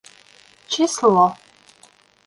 Число